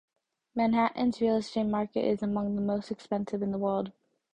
Manhattan's real estate market is among the most expensive in the world.